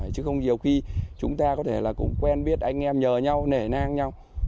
chứ không nhiều khi chúng ta có thể là cũng quen biết anh em nhờ nhau nể nang nhau